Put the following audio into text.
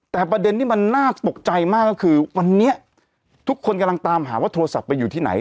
แต่ประเด็นที่มันน่าตกใจมากก็คือวันนี้ทุกคนกำลังตามหาว่าโทรศัพท์ไปอยู่ที่ไหน